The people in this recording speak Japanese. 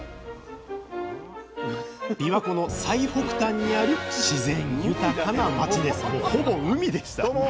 びわ湖の最北端にある自然豊かな町ですどうも！